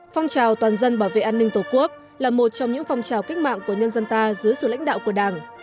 phong trào toàn dân bảo vệ an ninh tổ quốc là một trong những phong trào cách mạng của nhân dân ta dưới sự lãnh đạo của đảng